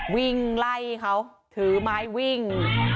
วิ่งไล่เขาถือไม้วิ่ง